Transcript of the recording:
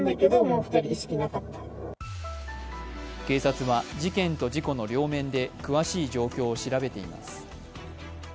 警察は事件と事故の両面で詳しい状況を調べています。